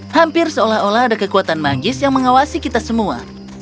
hampir seolah olah ada kekuatan magis yang mengawasi kita semua